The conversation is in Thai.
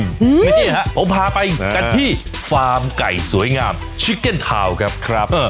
นี่ฮะผมพาไปกันที่ฟาร์มไก่สวยงามชิเก็นทาวน์ครับครับ